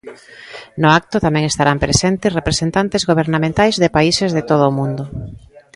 No acto tamén estarán presentes representantes gobernamentais de países de todo o mundo.